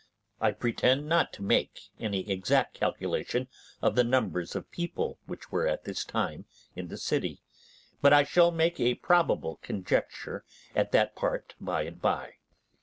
I pretend not to make any exact calculation of the numbers of people which were at this time in the city, but I shall make a probable conjecture at that part by and by.